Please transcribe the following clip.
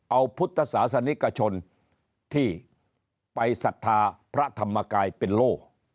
เอาพุทธศาสนิกชนที่ไปศรัทธาพระธรรมกายเป็นโล่